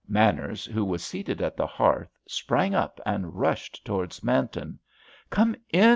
Manners, who was seated at the hearth, sprang up and rushed towards Manton. "Come in!